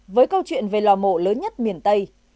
với câu chuyện về lò mổ lớn nhất miền tây